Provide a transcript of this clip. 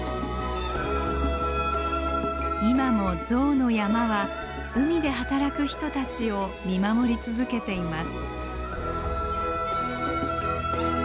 今も象の山は海で働く人たちを見守り続けています。